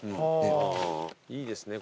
いいですね